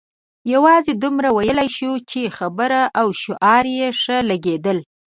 یوازې دومره ویلای شم چې خبرې او اشعار یې ښه لګېدل.